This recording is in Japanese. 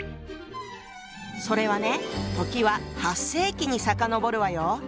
それはね時は８世紀に遡るわよ。